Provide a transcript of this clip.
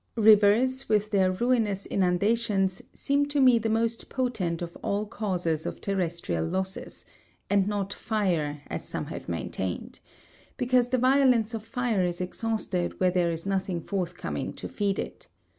Rivers, with their ruinous inundations, seem to me the most potent of all causes of terrestrial losses, and not fire, as some have maintained; because the violence of fire is exhausted where there is nothing forthcoming to feed it.